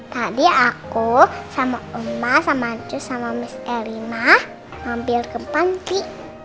tadi aku sama emak sama cu sama miss elina ngambil ke panti